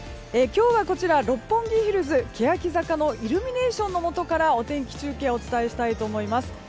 今日は六本木ヒルズけやき坂のイルミネーションのもとからお天気中継をお伝えしたいと思います。